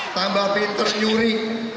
tambah pinter nyuri